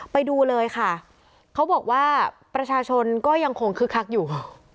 ไปดูเลยค่ะเขาบอกว่าประชาชนก็ยังคงคึกคักอยู่